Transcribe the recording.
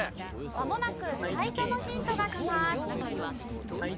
まもなく最初のヒントがきます。